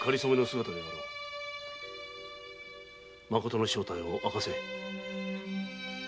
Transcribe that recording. まことの正体を明かせ。